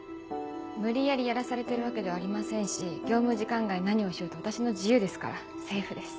無理やりやらされてるわけではありませんし業務時間外に何をしようと私の自由ですからセーフです。